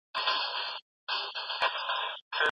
کارګران د سرمایه دارانو لخوا کارول کیږي.